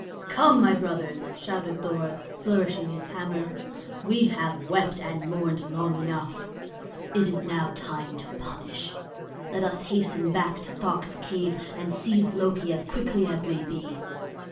"Come, my brothers!" shouted Thor, flourishing his hammer. "We have wept and mourned long enough. It is now time to punish. Let us hasten back to Thökt's cave, and seize Loki as quickly as may be."